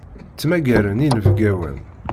Ttmagaren inebgawen.